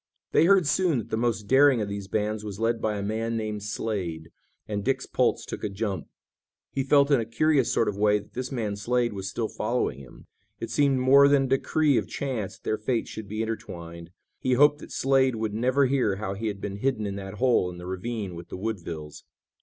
They heard soon that the most daring of these bands was led by a man named Slade, and Dick's pulse took a jump. He felt in a curious sort of way that this man Slade was still following him. It seemed more than a decree of chance that their fates should be intertwined. He hoped that Slade would never hear how he had been hidden in that hole in the ravine with the Woodvilles.